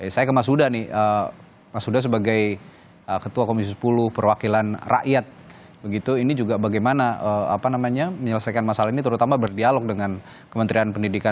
saya ke mas huda nih mas huda sebagai ketua komisi sepuluh perwakilan rakyat ini juga bagaimana menyelesaikan masalah ini terutama berdialog dengan kementerian pendidikan